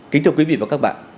kính thưa quý vị và các bạn